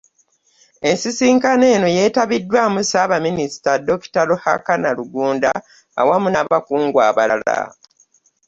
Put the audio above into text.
Ensisinkano eno yeetabiddwamu Ssaabaminsita Dokita. Ruhakana Rugunda awamu n’abakungu abalala.